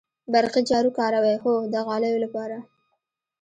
برقی جارو کاروئ؟ هو، د غالیو لپاره